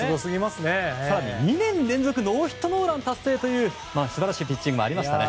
更に２年連続ノーヒットノーラン達成という素晴らしいピッチングもありましたね。